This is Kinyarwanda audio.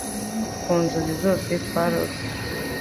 ku nzozi zose twarose